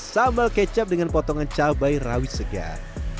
sambal kecap dengan potongan cabai rawit segar